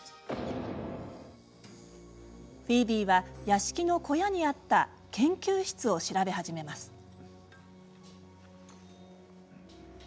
フィービーは屋敷の小屋にあった研究室を調べ始めます。